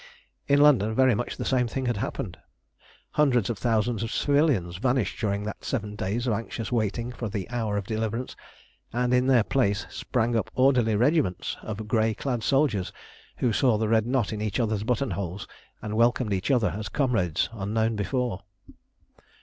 In London very much the same thing had happened. Hundreds of thousands of civilians vanished during that seven days of anxious waiting for the hour of deliverance, and in their place sprang up orderly regiments of grey clad soldiers, who saw the red knot in each other's button holes, and welcomed each other as comrades unknown before.